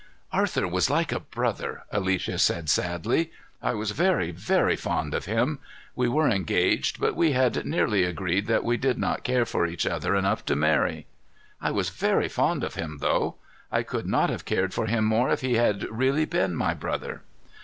"Arthur was like a brother," Alicia said sadly. "I was very, very fond of him. We were engaged, but we had nearly agreed that we did not care for each other enough to marry. I was very fond of him, though. I could not have cared for him more if he had really been my brother."